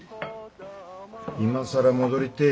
今更戻りてえ